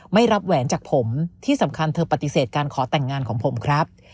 ไม่รับแหวนจากผมที่สำคัญเธอปฏิเสธการขอแต่งงานของผมครับ